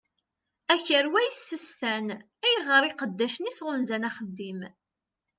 Akerwa yessestan ayɣeṛ iqeddacen-is ɣunzan axeddim.